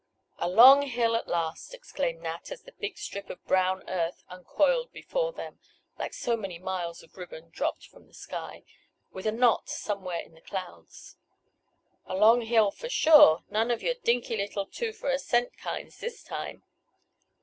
"A long hill at last!" exclaimed Nat, as the big strip of brown earth uncoiled before them, like so many miles of ribbon dropped from the sky, with a knot somewhere in the clouds. "A long hill for sure. None of your dinky little two for a cent kinds this time!"